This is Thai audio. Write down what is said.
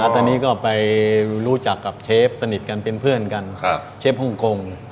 ตอนนี้ก็ไปรู้จักกับเชฟสนิทกันเป็นเพื่อนกันเชฟฮ่องกง